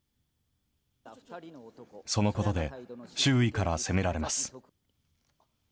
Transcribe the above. そのことで、周囲から責められます。